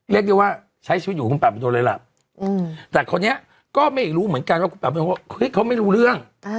เรียกได้ว่าใช้ชีวิตอยู่กับคุณป่าประดนเลยล่ะแต่คนนี้ก็ไม่รู้เหมือนกันว่าคุณป่าเมงว่าเฮ้ยเขาไม่รู้เรื่อง